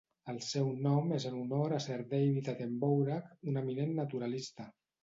El seu nom és en honor a Sir David Attenborough, un eminent naturalista.